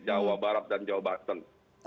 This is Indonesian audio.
jawa barat dan jawa banten